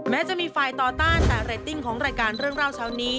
แม้จะมีฝ่ายต่อต้านแต่เรตติ้งของรายการเรื่องเล่าเช้านี้